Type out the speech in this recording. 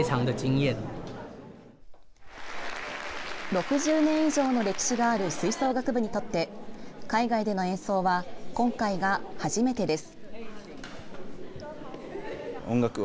６０年以上の歴史がある吹奏楽部にとって海外での演奏は今回が初めてです。